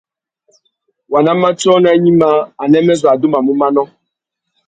Waná matiō nà gnïmá, anêmê zu adumamú manô.